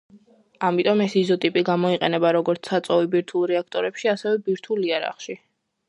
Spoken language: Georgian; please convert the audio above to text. ამიტომ ეს იზოტოპი გამოიყენება როგორც საწვავი ბირთვულ რეაქტორებში, ასევე ბირთვულ იარაღში.